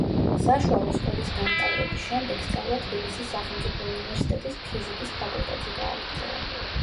საშუალო სკოლის დამტავრების შემდეგ სწავლა თბილისის სახელმწიფო უნივერსიტეტის ფიზიკის ფაკულტეტზე გააგრძელა.